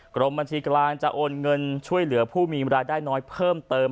กรมบัญชีกลางจะโอนเงินช่วยเหลือผู้มีรายได้น้อยเพิ่มเติม